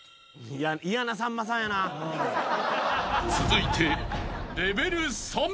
［続いて］